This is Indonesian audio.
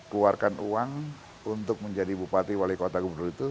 keluarkan uang untuk menjadi bupati wali kota gubernur itu